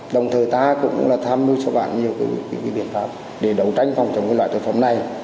đồng thời ta cũng tham lưu cho bản nhiều biện pháp để đấu tranh phòng chống loại thuốc phẩm này